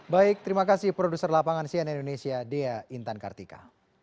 baik terima kasih produser lapangan cnn indonesia dea intan kartika